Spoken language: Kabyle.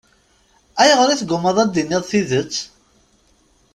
Ayɣer i teggummaḍ ad d-tiniḍ tidet?